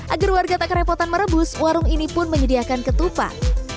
agar warga tak kerepotan merebus warung ini pun menyediakan ketupat